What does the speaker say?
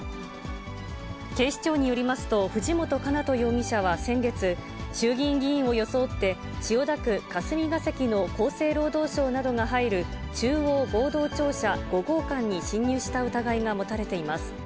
警視庁によりますと、藤本叶人容疑者は先月、衆議院議員を装って、千代田区霞が関の厚生労働省などが入る中央合同庁舎５号館に侵入した疑いが持たれています。